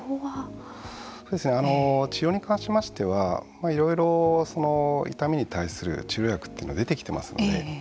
治療に関しましてはいろいろ痛みに対する治療薬は出てきてますので。